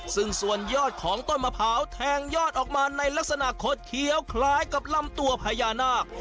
ซึ่งส่วนยอดของต้นมะพร้าวแทงยอดออกมาในลักษณะขดเขียวคล้ายกับลำตัวพญานาค